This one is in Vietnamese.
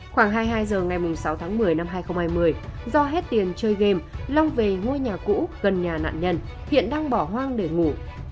khoảng hai mươi hai h ngày sáu tháng một mươi năm hai nghìn hai mươi do hết tiền chơi game long về ngôi nhà cũ gần nhà nạn nhân hiện đang bỏ hoang để ngủ